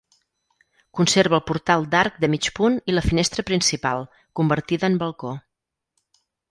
Conserva el portal d'arc de mig punt i la finestra principal, convertida en balcó.